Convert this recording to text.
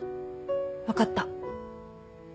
分かった